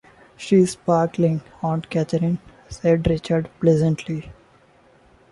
"She's sparkling, Aunt Catherine," said Richard pleasantly.